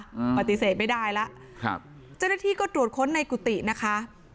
อืมปฏิเสธไม่ได้แล้วครับเจ้าหน้าที่ก็ตรวจค้นในกุฏินะคะ